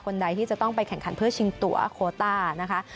ใดที่จะต้องไปแข่งขันเพื่อชิงตัวโคต้านะคะ